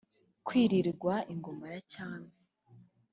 kwiririrwa ingoma ya cyami